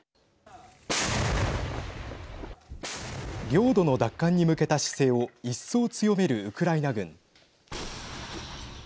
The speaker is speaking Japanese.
領土の奪還に向けた姿勢を一層強めるウクライナ軍。